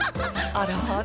あらあら。